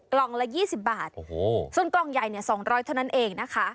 กล่องละ๒๐บาทส่วนกล่องใหญ่๒๐๐บาทเท่านั้นเองนะคะ